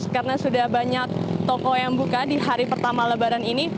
karena sudah banyak toko yang buka di hari pertama lebaran ini